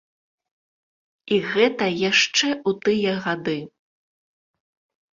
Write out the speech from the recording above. І гэта яшчэ ў тыя гады!